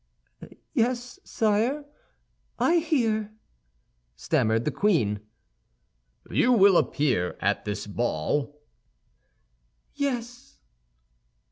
"Yes, sire, I hear," stammered the queen. "You will appear at this ball?" "Yes."